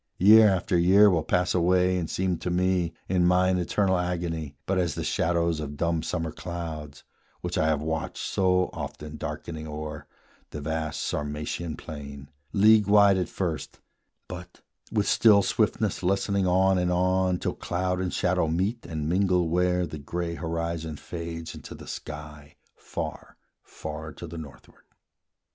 Year after year will pass away and seem To me, in mine eternal agony, But as the shadows of dumb summer clouds, Which I have watched so often darkening o'er The vast Sarmatian plain, league wide at first, But, with still swiftness lessening on and on Till cloud and shadow meet and mingle where The gray horizon fades into the sky, Far, far to the northward.